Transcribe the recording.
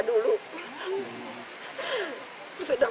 ketika dianggap terlalu banyak